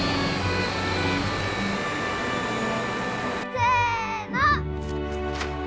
せの。